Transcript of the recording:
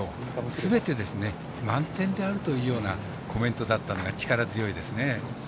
すべて満点であるというようなコメントだったのが力強いですね。